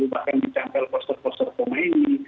bahkan di campel poster poster pemain